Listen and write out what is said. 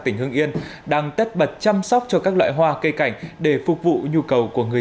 tỉnh hưng yên đang tất bật chăm sóc cho các loại hoa cây cảnh để phục vụ nhu cầu của người